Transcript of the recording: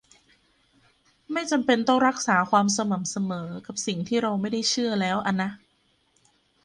ไม่จำเป็นต้องรักษาความสม่ำเสมอกับสิ่งที่เราไม่ได้เชื่อแล้วอะนะ